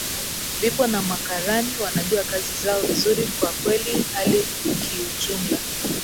vipo na makarani wanajua kazi zao vizuri kwa kweli hali kiujumla